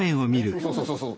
そうそうそうそう。